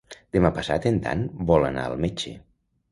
Demà passat en Dan vol anar al metge.